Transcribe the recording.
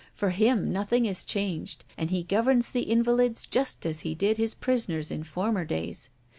For him nothing is changed, and he governs the invalids just as he did his prisoners in former days.